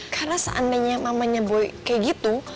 karena seandainya mamanya boy kayak gitu